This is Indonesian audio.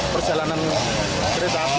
perjalanan kereta api